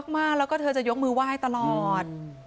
มากแล้วก็เธอจะยกมือไหว้ตลอด